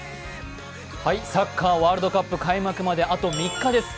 サッカーワールドカップ開幕まであと３日です。